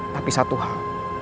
tapi satu hal